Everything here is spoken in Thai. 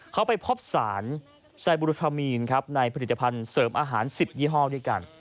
เขาไปพบสารไซบูรุทามีนครับในผลิตภัณฑ์เสริมอาหาร๑๐ยี่ห้อด้วยกัน